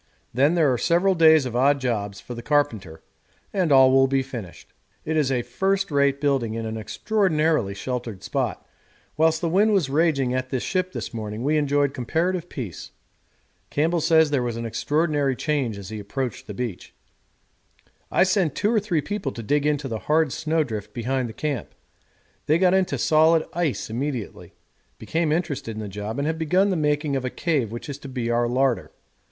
Then there are several days of odd jobs for the carpenter, and all will be finished. It is a first rate building in an extraordinarily sheltered spot; whilst the wind was raging at the ship this morning we enjoyed comparative peace. Campbell says there was an extraordinary change as he approached the beach. I sent two or three people to dig into the hard snow drift behind the camp; they got into solid ice immediately, became interested in the job, and have begun the making of a cave which is to be our larder.